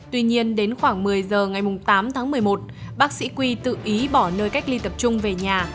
tuy nhiên đến khoảng một mươi giờ ngày tám tháng một mươi một bác sĩ quy tự ý bỏ nơi cách ly tập trung về nhà